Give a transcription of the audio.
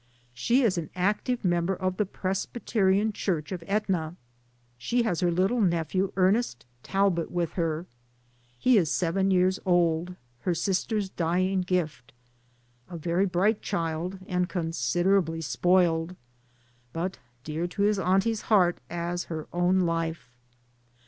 She is an active member of the Pres byterian Church at Etna. She has her little nephew, Ernest Talbot, with her. He is seven years old, her sister's dying gift, a very bright child and considerably spoiled, but dear to his auntie's heart as her own life.